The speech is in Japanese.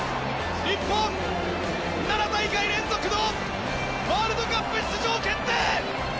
日本７大会連続のワールドカップ出場決定！